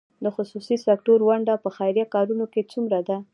د خصوصي سکتور ونډه په خیریه کارونو کې څومره ده؟